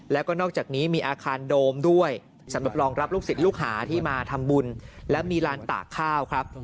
แล้วก็นอกจากนี้มีอาคารโดมด้วยสำหรับรองรับลูกศิษย์ลูกหาที่มาทำบุญและมีลานตากข้าวครับ